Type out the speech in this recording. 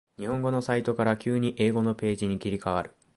日本語のサイトから急に英語のページに切り替わる